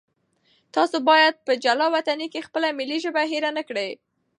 تاسو باید په جلاوطنۍ کې خپله ملي ژبه هېره نه کړئ.